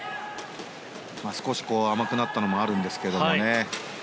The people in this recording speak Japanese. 少し甘くなったのもあるんですけどね。